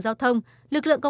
tại vì thường là gửi về